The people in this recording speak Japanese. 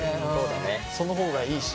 その方がいいし。